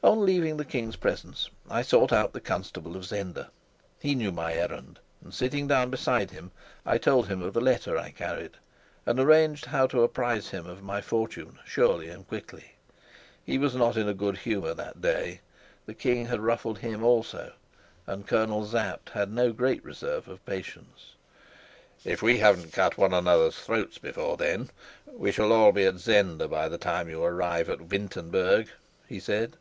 On leaving the king's presence, I sought out the Constable of Zenda. He knew my errand; and, sitting down beside him, I told him of the letter I carried, and arranged how to apprise him of my fortune surely and quickly. He was not in a good humor that day: the king had ruffled him also, and Colonel Sapt had no great reserve of patience. "If we haven't cut one another's throats before then, we shall all be at Zenda by the time you arrive at Wintenberg," he said.